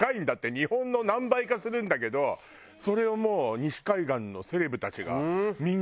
日本の何倍かするんだけどそれをもう西海岸のセレブたちがみんな買ってるんだって。